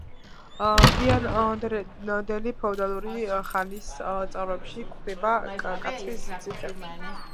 გვიანდელი ფეოდალური ხანის წყაროებში გვხვდება „კაცხის ციხე“.